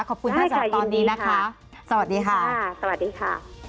ขอบคุณท่านจากตอนนี้นะคะสวัสดีค่ะสวัสดีค่ะสวัสดีค่ะได้ค่ะยินดีค่ะ